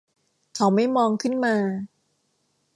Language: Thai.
เขาไม่มองขึ้นมา